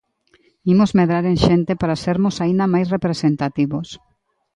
Imos medrar en xente para sermos aínda máis representativos.